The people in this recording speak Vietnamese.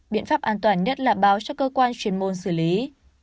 biện pháp an toàn nhất là báo cho cơ quan chuyên môn xử lý